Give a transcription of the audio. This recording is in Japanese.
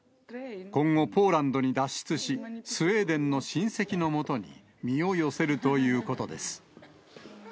今後、ポーランドに脱出し、スウェーデンの親戚のもとに身を寄せるということです。